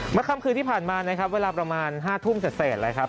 เมื่อคำคืนที่ผ่านมานะครับเวลาประมาณ๐๕๐๐เสดนะครับ